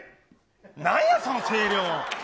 なんやその声量。